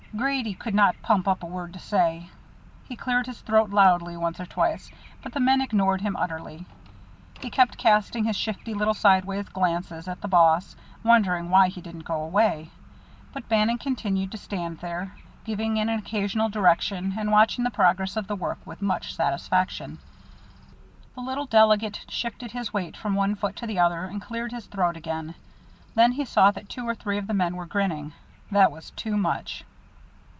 Grady could not pump up a word to say. He cleared his throat loudly once or twice, but the men ignored him utterly. He kept casting his shifty little sidewise glances at the boss, wondering why he didn't go away, but Bannon continued to stand there, giving an occasional direction, and watching the progress of the work with much satisfaction. The little delegate shifted his weight from one foot to the other and cleared his throat again. Then he saw that two or three of the men were grinning. That was too much.